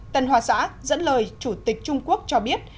tần hòa xã dẫn lời chủ tịch trung quốc cho biết